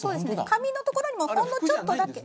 髪の所にもほんのちょっとだけ。